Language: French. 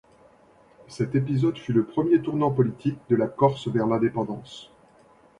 Cet épisode fut le premier tournant politique de la Corse vers l'indépendance.